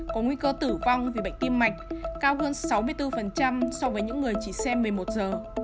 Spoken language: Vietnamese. có nguy cơ tử vong vì bệnh tim mạch cao hơn sáu mươi bốn so với những người chỉ xem một mươi một giờ